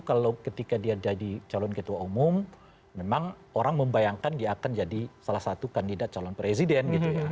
kalau ketika dia jadi calon ketua umum memang orang membayangkan dia akan jadi salah satu kandidat calon presiden gitu ya